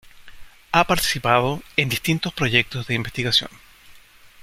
Ha participado en distintos proyectos de investigación.